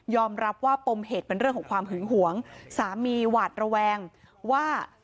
รับว่าปมเหตุเป็นเรื่องของความหึงหวงสามีหวาดระแวงว่า